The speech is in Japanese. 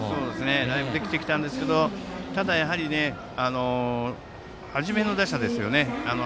だいぶできてきたんですがただやはり、初めの打者ですよね。